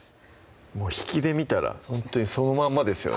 もう引きで見たらほんとにそのまんまですよね